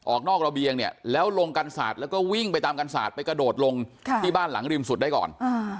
ออกนอกระเบียงเนี่ยแล้วลงกันศาสตร์แล้วก็วิ่งไปตามกันศาสตร์ไปกระโดดลงที่บ้านหลังริมสุดได้ก่อน